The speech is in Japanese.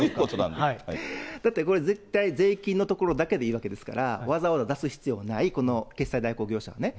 だってこれ絶対税金のところだけでいいわけですから、わざわざ出す必要がない決済代行業者がね。